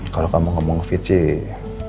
kalau kamu ngomong fit sih